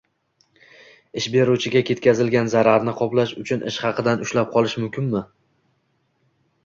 Ish beruvchiga yetkazilgan zararni qoplash uchun ish haqidan ushlab qolish mumkinng